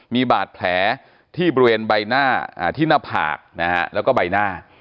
มีบาดแผลที่บริเวณใบหน้าที่หน้าผากนะฮะแล้วก็ใบหน้า